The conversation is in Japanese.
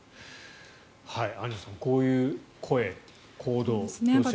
アンジュさんこういう声、行動、ロシア国内。